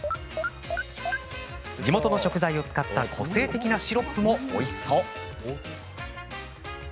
地元の食材を使った個性的なシロップもおいしそう！